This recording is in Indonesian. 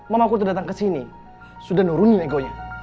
mama aku udah datang kesini sudah nuruni egonya